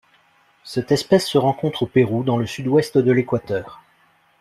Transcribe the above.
Cette espèce se rencontre au Pérou dans le sud-ouest de l'Équateur.